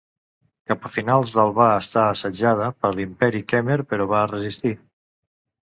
Cap a finals del va estar assetjada per l'Imperi Khmer, però va resistir.